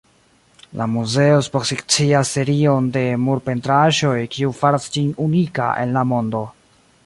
La muzeo ekspozicias serion de murpentraĵoj kiu faras ĝin unika en la mondo.